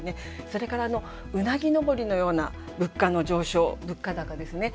それからうなぎ登りのような物価の上昇物価高ですね。